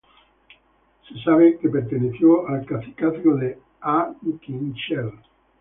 Se sabe que perteneció al cacicazgo de Ah Kin Chel.